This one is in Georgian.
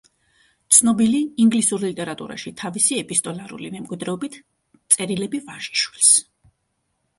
ცნობილი ინგლისურ ლიტერატურაში თავისი ეპისტოლარული მემკვიდრეობით წერილები ვაჟიშვილს.